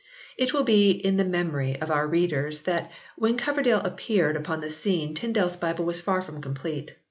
It will be in the memory of our readers that when Coverdale appeared upon the scene Tyndale s Bible was far from complete.